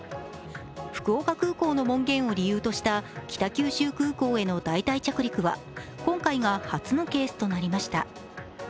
福岡空港の門限を理由とした北九州空港への代替着陸は今回が初のケースとなりました。